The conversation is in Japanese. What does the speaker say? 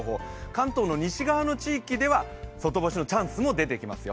関東の西側の地域では外干しのチャンスも出てきますよ。